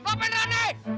loh apaan rani